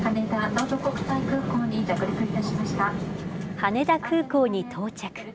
羽田空港に到着。